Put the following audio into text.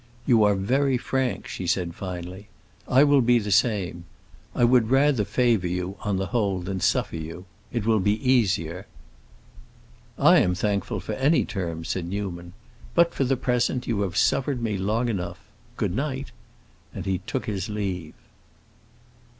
"You are very frank," she said finally. "I will be the same. I would rather favor you, on the whole, than suffer you. It will be easier." "I am thankful for any terms," said Newman. "But, for the present, you have suffered me long enough. Good night!" And he took his leave.